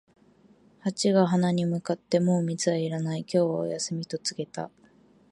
ハチが花に向かって、「もう蜜はいらない、今日はお休み」と告げた。